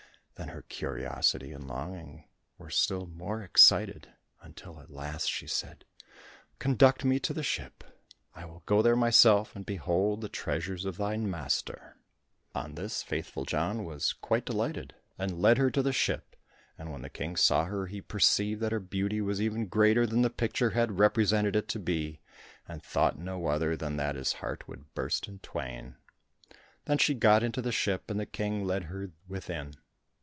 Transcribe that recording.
Then her curiosity and longing were still more excited, until at last she said, "Conduct me to the ship, I will go there myself, and behold the treasures of thine master." On this Faithful John was quite delighted, and led her to the ship, and when the King saw her, he perceived that her beauty was even greater than the picture had represented it to be, and thought no other than that his heart would burst in twain. Then she got into the ship, and the King led her within.